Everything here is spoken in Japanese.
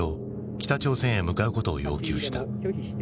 北朝鮮へ向かうことを要求した。